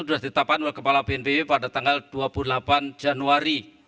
sudah ditetapkan oleh kepala bnpb pada tanggal dua puluh delapan januari